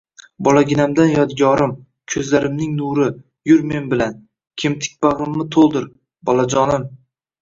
Bolaginamdan yodgorim, koʻzlarimning nuri, yur men bilan, kemtik bagʻrimni toʻldir, bolajonim!..